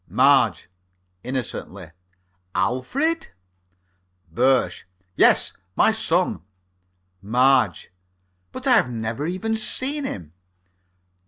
MARGE (innocently): Alfred? BIRSCH: Yes, my son. MARGE: But I have never even seen him.